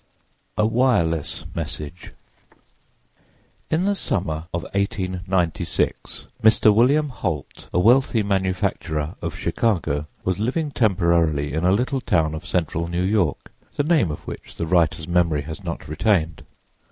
A WIRELESS MESSAGE IN the summer of 1896 Mr. William Holt, a wealthy manufacturer of Chicago, was living temporarily in a little town of central New York, the name of which the writer's memory has not retained.